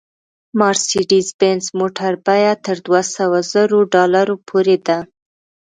مارسېډیز بینز موټر بیه تر دوه سوه زرو ډالرو پورې ده